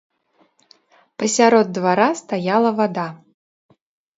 Пасярод двара стаяла вада.